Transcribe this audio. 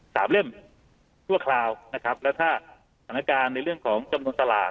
เล่มชั่วคราวนะครับแล้วถ้าสถานการณ์ในเรื่องของจำนวนสลาก